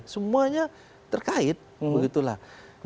semuanya terkait begitulah